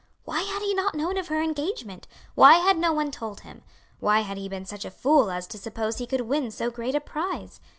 Why had he not known of her engagement? Why had no one told him? Why had he been such a fool as to suppose he could win so great a prize?